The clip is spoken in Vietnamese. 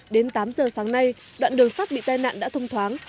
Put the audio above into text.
đến tám giờ sáng nay đoạn đường sắt bị tai nạn đã thông thoáng